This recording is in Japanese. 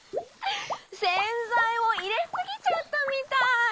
せんざいをいれすぎちゃったみたい。